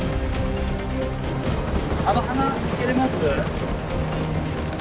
あの鼻つけれます？